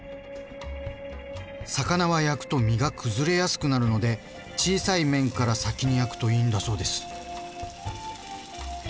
魚は焼くと身が崩れやすくなるので小さい面から先に焼くといいんだそうです。